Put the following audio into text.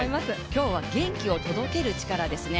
今日は元気を届けるチカラですね。